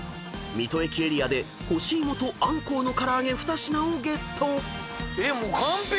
［水戸駅エリアで干し芋とアンコウの唐揚げ２品をゲット］